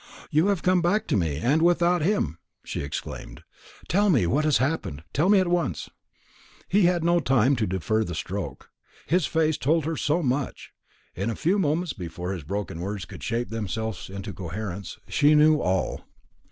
"You have come back to me, and without him!" she exclaimed. "Tell me what has happened; tell me at once." He had no time to defer the stroke. His face told her so much. In a few moments before his broken words could shape themselves into coherence she knew all.